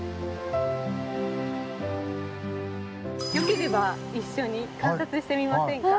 よければ一緒に観察してみませんか。